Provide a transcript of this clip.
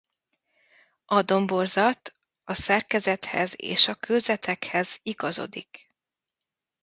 A domborzat a szerkezethez és a kőzetekhez igazodik.